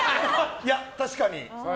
いや、確かに。